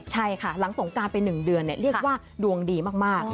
ใช่ค่ะหลังสงกรานไปหนึ่งเดือนเนี่ยเรียกว่าดวงดีมาก